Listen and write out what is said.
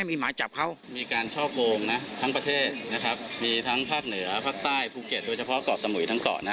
แล้วก็มีการเก่าอ้างผู้หลักผู้ใหญ่